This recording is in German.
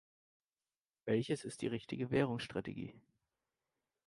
Welches ist die richtige Währungsstrategie?